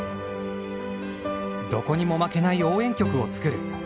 どこにも負けない応援曲を作る！